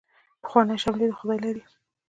پخوانۍ شملې دې خدای لري.